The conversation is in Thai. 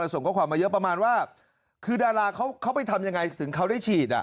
ส่งข้อความมาเยอะประมาณว่าคือดาราเขาไปทำยังไงถึงเขาได้ฉีด